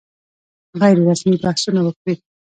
غیر رسمي بحثونه وکړي.